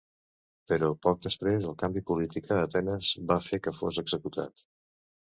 Però poc després el canvi polític a Atenes va fer que fos executat.